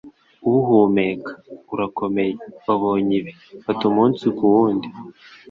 Uhumeka. Urakomeye. Wabonye ibi. Fata umunsi ku wundi. ”